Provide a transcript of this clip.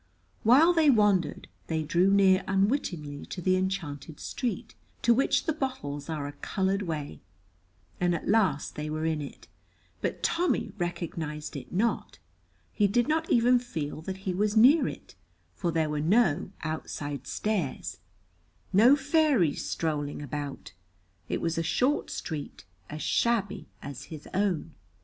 While they wandered, they drew near unwittingly to the enchanted street, to which the bottles are a colored way, and at last they were in it, but Tommy recognized it not; he did not even feel that he was near it, for there were no outside stairs, no fairies strolling about, it was a short street as shabby as his own.